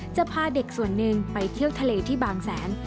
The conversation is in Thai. จะพาเด็กส่วนหนึ่งไปเที่ยวทะเลที่บางแสน